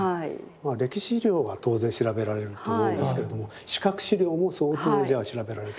歴史資料は当然調べられると思うんですけれども視覚資料も相当じゃあ調べられた。